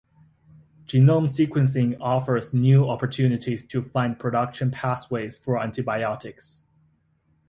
Genome sequencing offers new opportunities to find production pathways for antibiotics.